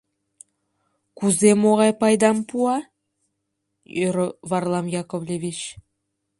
— Кузе могай пайдам пуа? — ӧрӧ Варлам Яковлевич.